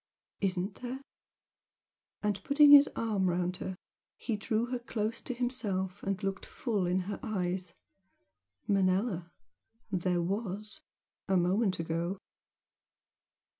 "Isn't there?" and putting his arm round her, he drew her close to himself and looked full in her eyes "Manella there WAS! a moment ago!"